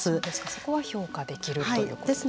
そこは評価できるということですね。